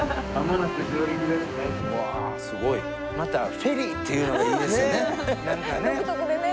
すごいまたフェリーっていうのがいいですよね何かね。